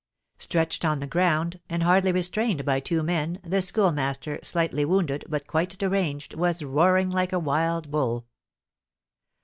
Stretched on the ground, and hardly restrained by two men, the Schoolmaster, slightly wounded, but quite deranged, was roaring like a wild bull.